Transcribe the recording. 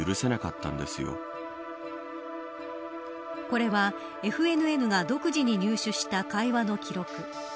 これはＦＮＮが独自に入手した会話の記録。